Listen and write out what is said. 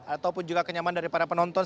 ataupun juga kenyaman dari para penonton